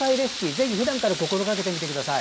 ぜひふだんから心がけてみてください。